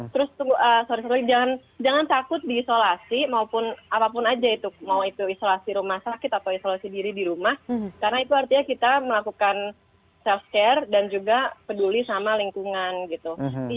terus sorry sorry jangan takut diisolasi maupun apapun aja itu mau itu isolasi rumah sakit atau isolasi diri di rumah karena itu artinya kita melakukan self care dan juga peduli sama lingkungan gitu